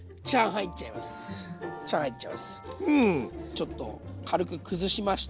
ちょっと軽く崩しまして。